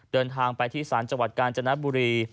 เดินทางไปที่ศาลจังหวัดกาญจนบุรี